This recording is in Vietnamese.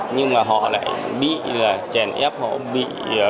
nhưng mà họ lại bị là chèn ép họ bị